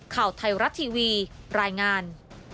ข่าวไทยรัฐทีวีรายงาน